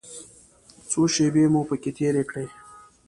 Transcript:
څو شېبې مو پکې تېرې کړې.